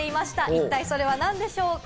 一体それは何でしょうか？